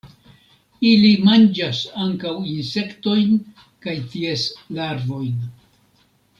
Ili manĝas ankaŭ insektojn kaj ties larvojn.